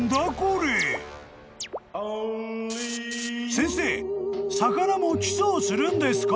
［先生魚もキスをするんですか？］